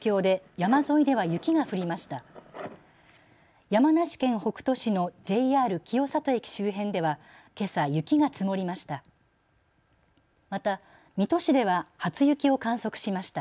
山梨県北杜市のＪＲ清里駅周辺ではけさ雪が積もりました。